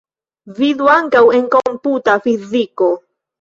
Vidu ankaŭ en komputa fiziko.